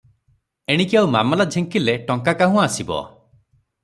ଏଣିକି ଆଉ ମାମଲା ଝିଙ୍କିଲେ ଟଙ୍କା କାହୁଁ ଆସିବ?